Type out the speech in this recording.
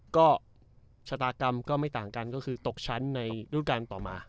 ก็ชะตากรรมก็ไม่ต่างกันก็คือตกชั้นในรูปการณ์ต่อมา